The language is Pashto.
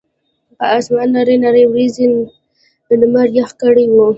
پۀ اسمان نرۍ نرۍ وريځې نمر يخ کړے وو